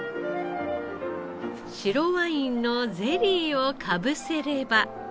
白ワインのゼリーをかぶせれば。